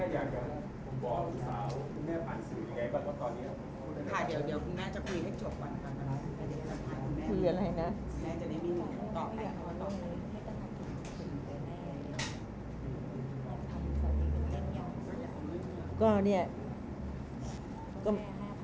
ก็เนี่ยคือคือแม่ก็ให้อภัยลูกเสมอ